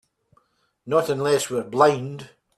Not unless we're blind.